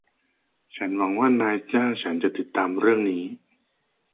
ฉันหวงัว่านายจ้างฉันจะติดตามเรื่องนี้นะ